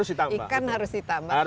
ikan harus ditambah